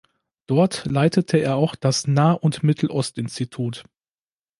Dort leitete er auch das Nah- und Mittelost-Institut.